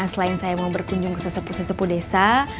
selain saya mau berkunjung ke sesepu sesepu desa